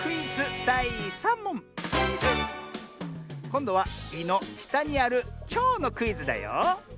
こんどは「い」のしたにあるちょうのクイズだよ。